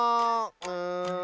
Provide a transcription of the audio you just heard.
うん。